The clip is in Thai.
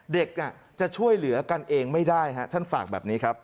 เด็กจะช่วยเหลือกันเองไม่ได้ท่านฝากแบบนี้ครับ